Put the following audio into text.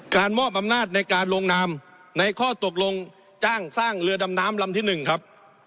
มอบอำนาจในการลงนามในข้อตกลงจ้างสร้างเรือดำน้ำลำที่๑ครับ